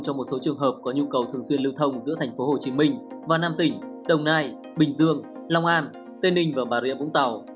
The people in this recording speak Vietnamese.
cho một số trường hợp có nhu cầu thường xuyên lưu thông giữa thành phố hồ chí minh và nam tỉnh đồng nai bình dương long an tây ninh và bà rịa vũng tàu